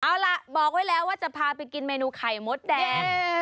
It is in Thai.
เอาล่ะบอกไว้แล้วว่าจะพาไปกินเมนูไข่มดแดง